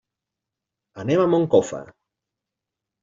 Anem a Moncofa.